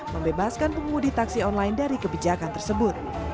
membebaskan pengemudi taksi online dari kebijakan tersebut